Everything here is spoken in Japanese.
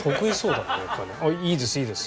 いいですいいです。